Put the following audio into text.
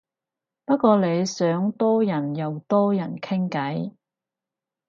不過你想多人又多人傾偈